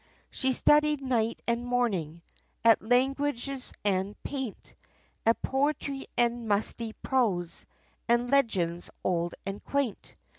She studied, night and morning, At languages, and paint, At poetry, and musty prose, And legends, old, and quaint.